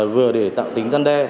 vừa để tạo tính gian đe